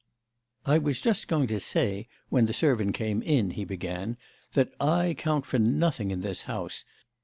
'I was just going to say when the servant came in,' he began, 'that I count for nothing in this house.